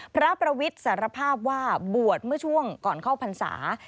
พระประวิทย์สารภาพว่าบวชเมื่อช่วงก่อนเข้าพรรษา